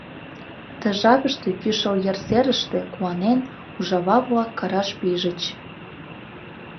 Ты жапыште Кӱшыл ер серыште, куанен, ужава-влак караш пижыч.